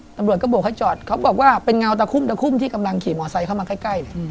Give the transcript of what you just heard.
ตำรวจก็บวกให้จอดเขาบอกว่าเป็นเงาตะคุ่มตะคุ่มที่กำลังขี่มอไซค์เข้ามาใกล้เลย